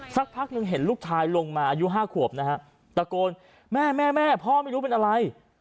สักพักหนึ่งเห็นลูกชายลงมาอายุ๕ขวบนะฮะตะโกนแม่แม่พ่อไม่รู้เป็นอะไร